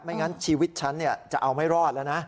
งั้นชีวิตฉันจะเอาไม่รอดแล้วนะ